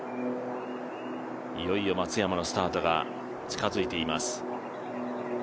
いよいよ松山のスタートが近づいています。